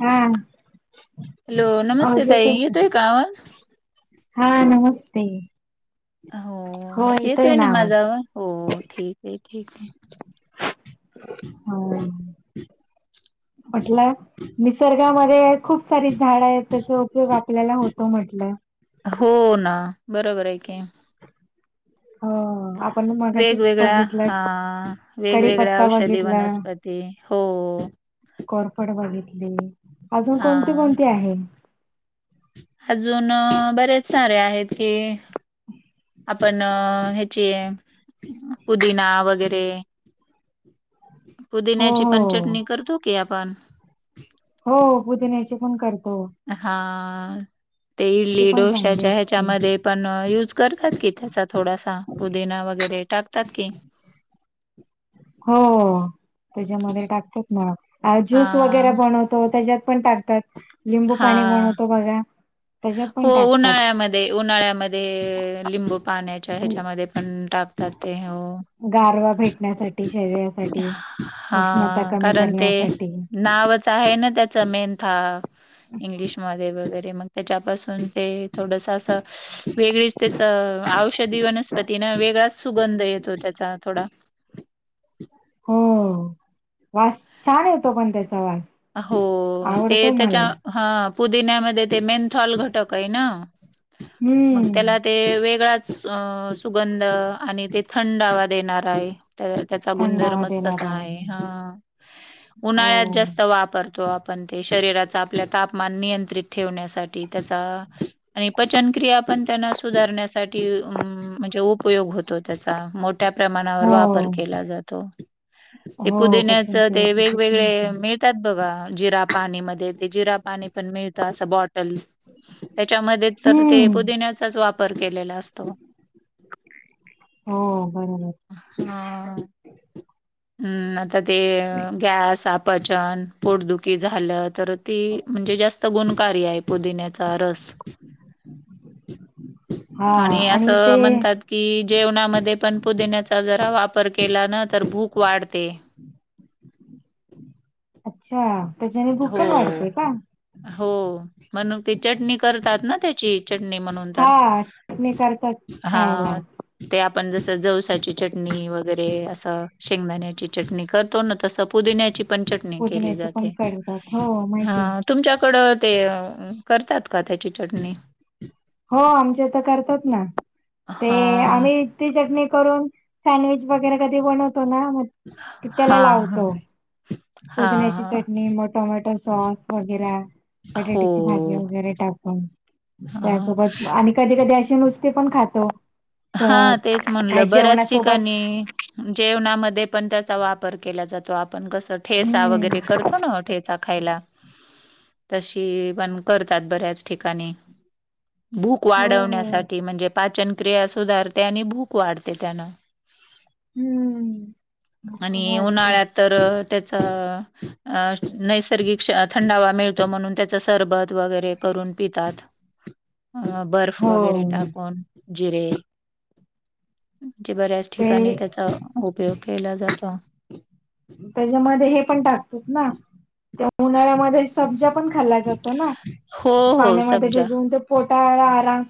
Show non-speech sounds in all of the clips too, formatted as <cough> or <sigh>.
हा हॅलो नमस्ते आवाज ताई येतोय का. आवाज? हा नमस्ते. हो येतोय ना माझा आवाज हो ठीक आहे ठीक आहे. म्हटलं निसर्गामध्ये खूप सारी झाड आहेत त्याचा उपयोग आपल्याला होतो म्हटलं. हो ना बरोबर आहे की. हो आपण मगाशीच वेगवेगळ्या बघितलं हा वेगवेगळ्या कडीपत्ता औषधी बघितला. वनस्पती हो. कोरफड बघितली अजून हा कोणती कोणती आहे? अजून बरेच सारे आहेत की. आपण ह्याची आहे पुदिना वगैरे हो पुदिन्याची पण चटणी करतो की आपण. हो पुदिण्याचे पण करतो. हा ते ती इडली पण चांगली डोश्याच्या असते. ह्याच्यामध्ये पण युज करतात की त्याचा थोडासा पुदिना वगैरे टाकतात की <inaudible> हो त्याच्यामध्ये टाकतात. मला ज्यूस हा वगैरे बनवतो त्याच्यात पण टाकत लिंबू हा पाणी बनवतो बघा त्याच्यात पण हो टाकतात उन्हाळ्यामध्ये, उन्हाळ्यामध्ये. म लिंबू पाण्याच्या ह्याच्यामध्ये पण टाकतात. ते हो गारवा भेटण्यासाठी. शरीरासाठी हा उष्णता कमी कारण ते करण्यासाठी नावच आहे ना त्याच मेनथा इंग्लिशमध्ये वगैरे मग त्याच्यापासून ते थोडस असं वेगळीच त्याचा औषधी वनस्पती ना वेगळाच सुगंध येतो त्याचा थोडा. हो वास- छान येतो पण त्याचा वास हो ते आवडतो त्याच्या मला. हा पुदिन्यामध्ये ते मेनथॉल घटक आहे ना. हम्म. मग त्याला ते वेगळाच, सुगंध आणि ते थंडवा देणारा तर त्याचा थंडावा गुधर्मच देणारा तसा आहे. हा उन्हाळ्यात हो जास्त वापरतो. आप- पण ते शरीराचा आपल्या तापमान नियंत्रित ठेवण्यासाठी त्याचा आणि पचनक्रिया पण त्यांना सुधारण्यासाठी. म्हणजे- उपयोग होतो. त्याचा मोठ्या प्रमाणावर हो वापर केला जातो. ते हो पुदिण्याच पचन ते क्रियासाठी पण होत वेगवेगळे मिळतात बघा जिरा पाणी म- जिरा पाणी पण मिळतं असं बॉटल त्याच्यामध्ये तर ते हम्म पुदिन्याचाच वापर केलेला असतो. हो बरोबर. हा हम् आता ते गॅसपचन पोर्दुकी झालं तर ती म्हणजे जास्त गुणकार्य आहे पुदिन्याचा रस हा आणि असं ते म्हणतात की जेवणामध्ये पण पुदिण्याचा जरा वापर केला ना तर भूक वाढते. अच्छा. त्याच्याने भूक हो पण वाढते का हो म्हण ते चटणी करतात ना त्याची. चटणी म्हणून तर हा चटणी करतात हा खायला ते आपण जसं जवसाची चटणी वगैरे असं शेंगदाण्याची चटणी करतो. तपू देण्याची- पुदिण्याचे पण करतात हो माहितीय हां, तुमच्याकडं ते करतात का त्याची चटणी हो आमच्या तर करतात ना ते हां, आम्ही चटणी करून सँडविच वगैरे कधी बन मग त त्याला हां, हां, लावतो हां, पुदिण्याची हां. चटणी टोमॅटो सॉस वगैरे हो. पटेटीची भाजी वगैरे टाकून हां, त्यासोबत आणि कधी कधी असे नुसते पण खातो तर हा तेच काय म्हणलं बऱ्याच जेवणासोबत ठिकाणी जेवणामध्ये पण त्याचा वापर केला जातो आपण कस ठेसा हम्म वगैरे करो ना ठेचा खायला तशी पण करतात बऱ्याच ठिकाणी भूक हो हो वाढवण्यासाठी म्हणजे पाचनक्रिया सुधारते आणि भूक वाढते त्यानं हम्म आणि भूकण वाढते उन्हाळ्यात तर त्याचा नैसर्गिक थंडावा मिळतो म्हणून त्याचं सरबत वगैरे करून पितात अ बर्फ हो वगैरे टाकून जिरे म्हणजे बऱ्याच ठिकाणी ते त्याचा उपयोग केला जातो. त्याच्यामध्ये हे पण टाकतात ना ते उन्हाळ्यामध्ये सब्जा पण खाल्ला जातो ना हो हो पाण्यामध्ये सब्जा भिजून ते पोटाला आराम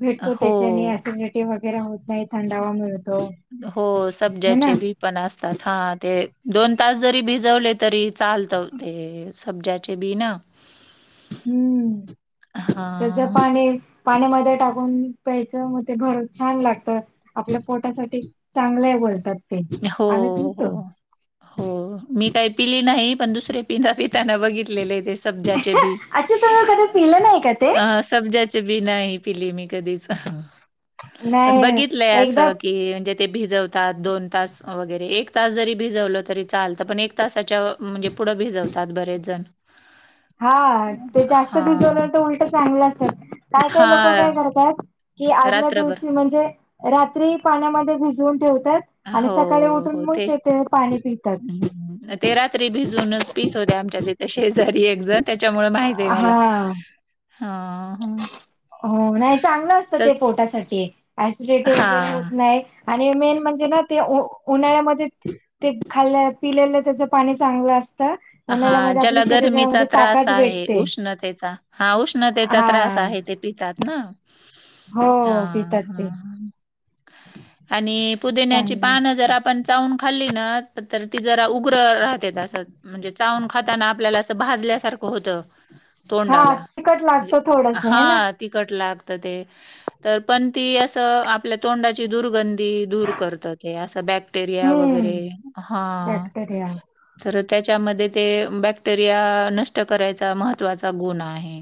भेटतो हो त्याच्याने सिडिटी वगैरे होत नाही थंडावा मिळतो हो हे सब्जाचे ना बी पण असतात हा ते दोन तास जरी भिजवले तरी चालतंय ते सब्ज्याचे बी ना हम्म हा त्याचे पाणी पाण्यामध्ये टाकून प्यायचं मग ते भर छान लागतं. आपल्या पोटासाठी चांगलं आहे बोलतात. ते हो आम्ही हो पितो हो मी काही पिली नाही पण दुसरे पिता पिताना बघितलेले ते सब्जा ते बी अच्छा तुम्ही कधी पिलं नाही का ते अ समजाचे बी नाही आहे पिली मी कधीचं पण नाही बघितलंय एकदा असं की म्हणजे ते भिजवतात दोन तास वगैरे एक तास जरी भिजवलं तरी चालतं पण एक तासाच्या म्हणजे पुढं भिजवतात बरेच जण हा ते जास्त हा भिजवलं तर उलटं चांगलं असतात काय काय हा लोक काय करतात. कि आदल्या रात्रभर दिवशी म्हणजे रात्री पाण्यामध्ये भिजून ठेवतात. आणि हो सकाळी उठून हो मग ते तेथे पाणी पितात हं, ते रात्री भिजूनच पीत होते आमच्या तथ शेजारी एक जण त्याच्यामुळे माहित आहे मला हा हा हा हो नाही चांगलं असतं तर ते पोटासाठी ऍसिडिटी वगैरे होत हां, नाही. आणि मेन म्हणजे ना ते उन्हाळ्यामध्ये ते खाल्लं पिलेलं त्याचं पाणी चांगलं असतं हा उन्हाळ्यामध्ये आपल्या ज्याला गरमीचा शरीरामध्ये त्रास ताकद आहे भेटते उष्णतेचा हा उष्णतेचा हा त्रास आहे ते पितात ना हो हां, पितात ते हां, हां. आणि पुदण्याची चांगलं पान असत जर आपण चावून खाल्ली ना तर ती जरा उग्र राहतेत असं म्हणजे चावून खाताना आपल्याला असं भाजल्यासारखं होतं. हा तोंडाला तिखट म्हणजे लागतो थोडस हे ना हा तिखट लागतं ते तर पण ती असं आपल्या तोंडाची दुर्गंधी ते दूर करत असं बॅक्टेरिया हम्म वगैरे हा बॅक्टेरिया परत त्याच्यामध्ये ते बॅक्टेरिया नष्ट करायचा महत्त्वाचा गुण आहे.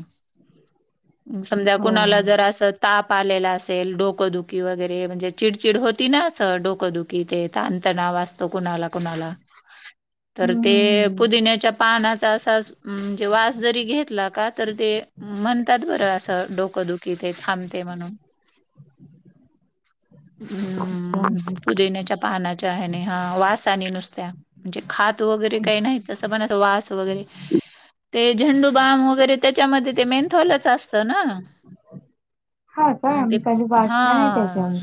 समजा हो कुणाला जर असं ताप आलेला असेल डोकंदुखी वगैरे म्हणजे चिडचिड होती ना असं डोकंदुखी ते तणातणाव कोणाला कोणाला तर हम्म ते हम्म पुदिन्याच्या पानाचा असा म्हणजे वास जरी घेतला का तर ते म्हणतात बरं असं डोकं दुखी ते थांबते म्हणून. अच्छा ह्म पुदिण्याच्या पानाच्या हेने हा वास आणि नुसत्या म्हणजे खात वगैरे काही नाही तसं पण वास वगैरे ते झेंडूबाम वगैरे त्याच्यामध्ये ते मेंथॉलच असतं ना हा का ते मी कधी वाचलं नाही हा त्याच्यावर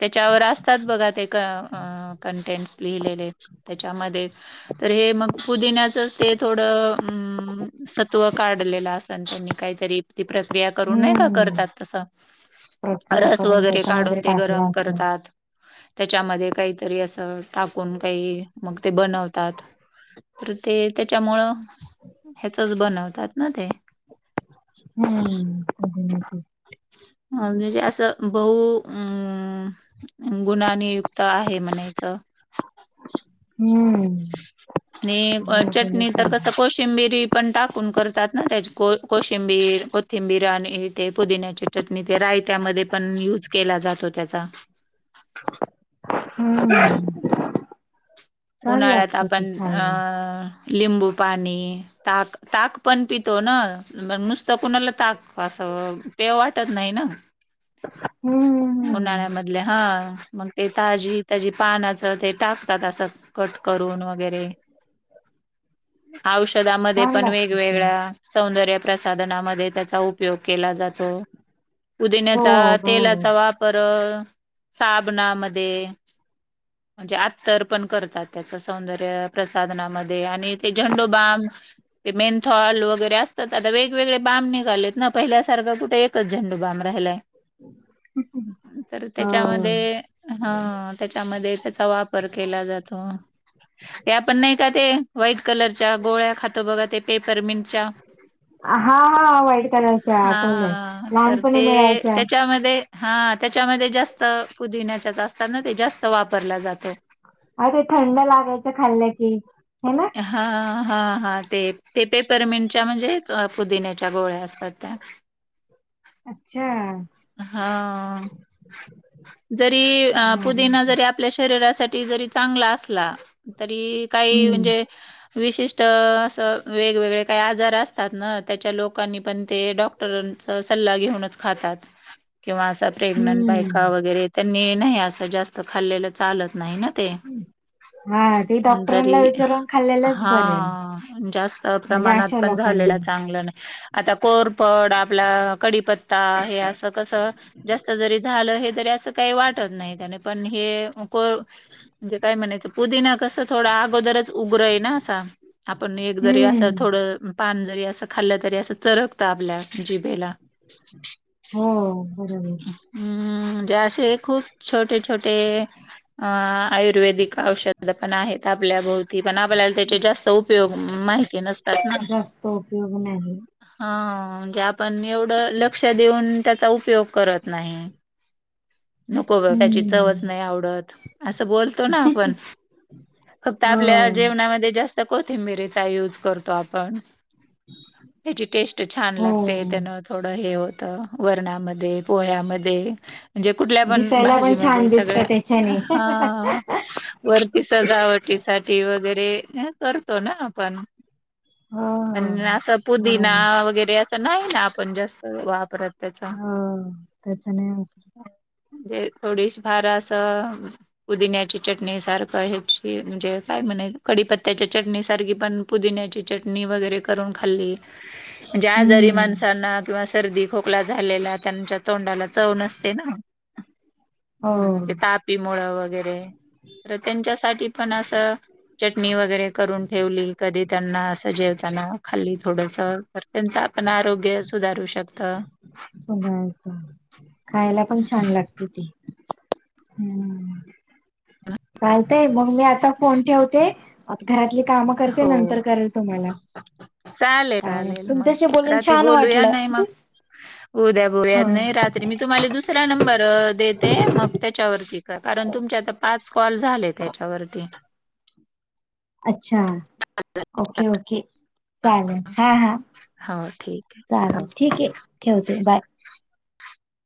त्याच्यावर असतात बघा ते कंटेंटस लिहिलेले त्याच्यामध्ये तर हे मग पुदिन्याचच ते थोडं सत्व काढलेलं असतं त्यांनी काहीतरी ती प्रक्रिया करून नाही का हम्म करतात तसं प्रक्रिया रस करून वगैरे काढून त्याच्यामध्ये ते टाकला गरम असेल करतात. त्याच्यामध्ये काहीतरी असं टाकून काही मग ते बनवत. तर ते त्याच्यामुळे ह्याचच बनवतात ना ते हम्म. अ म्हणजे असं बहु अम गुणा नियुक्त आहे म्हणायचं. हम्म. आणि चटणी अजूनच तर आहे. कसं कोशिंबीरी पण टाकून करतात ना त्याची को कोशिंबी कोथिंबीर आणि ते पुदिन्याचे चटणी ते रायत्यामध्ये पण युज केला जातो त्याचा. हम. उन्हाळ्यात आपण अ लिंबू पाणी. ताक ताक पण पितो ना मग नुसतं कुणाला ताक असं प्याव वाटत नाही ना. हम्म. हम्म. उन्हाळ्यामधले हा. मग ते ताजी त्याज पानाचं ते टाकतात असं. कट करून वगैरे औषधामध्ये छान पण लागते ते. वेगवेगळ्या. सौंदर्य प्रसाधनामध्ये त्याचा उपयोग केला जातो. हो उदिण्याचा बरोबर. तेलाचा वापर साबणामध्ये म्हणजे आत्तर् पण करतात त्याच सौंदर्य प्रसाधनामध्ये आणि ते झंडोबाम ते मेंथल वगैरे असतात आता वेगवेगळे बाम निघालेत ना पहिल्यासारखं कुठे एक कच झंडुबाम राहिलाय. तर हो. त्याच्यामध्ये हा त्याच्यामध्ये त्याचा वापर केला जातो. ते आपण नाही का ते व्हाईट कलरच्या गोळ्या खातो बघा ते पेपरमंटच्या. हा हा व्हाईट कलरच्या आठवलं. हा तर लहानपणी ते मिळायच्या. त्याच्यामध्ये. हा त्याच्यामध्ये जास्त पुदिण्या्याच्याच असतात ना ते जास्त वापरला जातो. अ ते थंड लागायचं खाल्लं की हे ना. हा हा हा ते ते पेपरमंटच्या म्हणजेच पुदिन्याच्या गोळ्या असतात त्या अच्छा. हा. जरी भारी पुदिना होत. जरी आपल्या शरीरासाठी जरी चांगला असला तरी काही हम्म. म्हणजे विशिष्ट असं वेगवेगळे काही आजार असतात ना त्याच्या लोकांनी पण ते डॉक् डॉक्टरांचा सल्ला घेऊनच खातात. किंवा असा प्रेग्नंट बायका हम्म. वगैरे त्यांनी नाही असं जास्त खाल्लेलं चालत नाही ना ते हा ते जरी डॉक्टरांना विचारून खाल्लेलंच हा बरंय. जास्त म्हणजे प्रमाणात अशा पण झालेला लोकांनी. चांगलं नाही आता कोरपड आपला कडीपत्ता हे अस. स जास्त जरी झालं हे जरी अस. का वाटत नाही त्या पण हे म्हणे काय म्हणायचं पुदिना कस थोडा अगोदरच उग्र आहे ना असा आपण एक जरी अस हम्म. थोडं पान जरी अस खाल्लं तरी असं चरकत आपल्या जिभेला. हो बरोबर. हम् म्हणजे असे खूप छोटे छोटे अ आयुर्वेदिक औषध पण आहेत आपल्या बह पण आपल्याला त्याचे जास्त उपयोग माहिती नसतात ना. जास्त उपयोग नाही ह म्हणजे आपण एवढं लक्ष देऊन त्याचा उपयोग. करत नाही. नको त्याची हम्म चवच नाही आवडत असं बोलतो ना आपण फक्त हो आपल्या जेवणामध्ये जास्त कोथिंबिरीचा यूज करतो आपण त्याची टेस्ट छान लागते हो त्यानं थोडं हे होतं वरणामध्ये पोह्यामध्ये- म्हणजे कुठल्या पण दिसायला पण छान भाजीमध्ये दिसत सगळ्या. त्याच्याने हो हं. वरती सजावटीसाठी वगैरे. करतो ना आपण? आणि असं पुदिना बरोबर वगैरे, असं नाही ना आपण जास्त वापरत. त्याचा. त्याच्या नाय. म्हणजे थोडीशी फार असं- पुदिन्याची चटणी सारखं ह्याची म्हणजे काय म्हणे? कढीपत्त्याच्या चटणी सारखी पण पुदिन्याची चटणी वगैरे करून खाल्ली. म्हणजे आजारी हम्म माणसांना किंवा सर्दी खोकला झालेल्या त्यांच्या - तोंडाला चव नसते ना. हो म्हणजे तापी मुळ वगैरे- तर त्यांच्यासाठी पण असं- चटणी वगैरे करून ठेवली. कधी त्यांना असं जेवताना खाल्ली थोडस- त्यांचं आपण आरोग्य सुधारू शकत. हं हं. खायला पण छान लागते ती. हम्म. चालतय मग मी आता फोन ठेवते घरातली काम करते. हो नंतर करेल तुम्हाला. चालेल. चालेल मग. तुमच्याशी बोलून राती छान बोलूया. वाटलं नाही मग- उद्या बोलूयात. ह नाही रात्री मी तुम्हाला दुस- ऱ्या नंबरवर देते. मग त्याच्यावरती क कारण तुमचे आता पाच कॉल झाले तते. च्यावरती. अच्छा. Okay okay. हा. चालेल हा हा. हो ठीक आहे. ह. चालेल ठीक आहे ठेवते बाय.